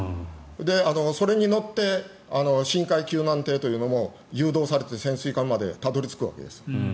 それに乗って深海救難艇というのも誘導されて潜水艦までたどり着くんです。